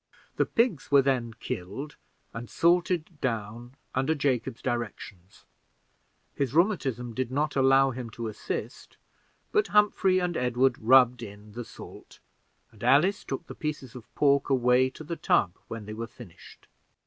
The pigs were then killed, and salted down under Jacob's directions; his rheumatism did not allow him to assist, but Humphrey and Edward rubbed in the salt, and Alice took the pieces of pork away to the tub when they were finished.